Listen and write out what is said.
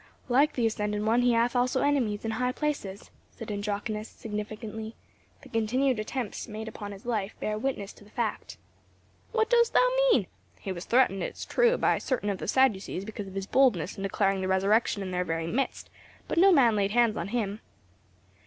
"Like the ascended One, he hath also enemies in high places;" said Andronicus, significantly, "the continued attempts made upon his life bear witness to the fact." "What dost thou mean? He was threatened, it is true, by certain of the Sadducees because of his boldness in declaring the resurrection in their very midst, but no man laid hands on him."